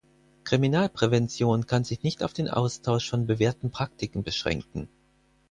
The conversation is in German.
Kriminalprävention kann sich nicht auf den Austausch von bewährten Praktiken beschränken.